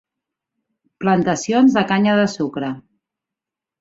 Plantacions de canya de sucre.